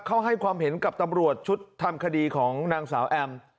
เขาให้ความเห็นกับตำรวจชุดทำคดีของนางสาวแอม